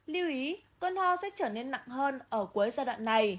lưu ý cơn ho sẽ trở nên nặng hơn ở cuối giai đoạn này